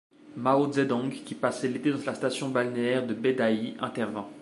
Mao Zedong, qui passait l'été dans la station balnéaire de Beidaihe, intervint.